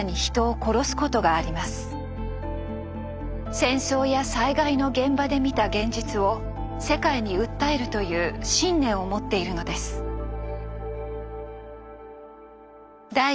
戦争や災害の現場で見た現実を世界に訴えるという信念を持っているのです。